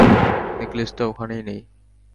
নেকলেসটা ওখানে নেই!